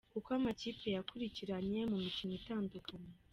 Uko amakipe yakurikiranye mu mikino itandukanye:.